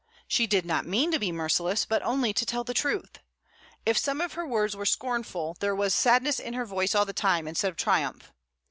She did not mean to be merciless, but only to tell the truth. If some of her words were scornful, there was sadness in her voice all the time, instead of triumph.